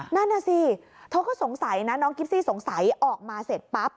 นั่นน่ะสิเธอก็สงสัยนะน้องกิฟซี่สงสัยออกมาเสร็จปั๊บ